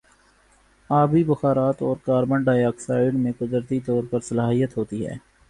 آبی بخارات اور کاربن ڈائی آکسائیڈ میں قدرتی طور پر صلاحیت ہوتی ہے